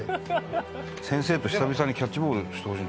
先生と久々にキャッチボールしてほしい。